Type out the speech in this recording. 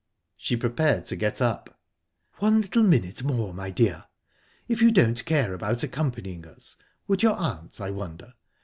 She prepared to get up. "One little minute more, my dear...If you don't care about accompanying us, would your aunt, I wonder?